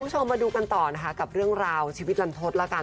คุณผู้ชมมาดูกันต่อนะคะกับเรื่องราวชีวิตลันทศละกัน